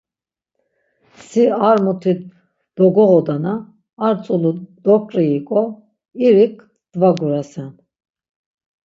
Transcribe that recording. Si ar muti dogoğodana ar tzulu doǩriiǩo irik dvagurasen.